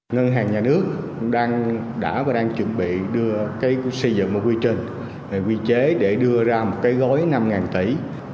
ngân hàng nhà nước đang chuẩn bị đưa xây dựng quy trình quy chế để đưa ra một cái gói năm tỷ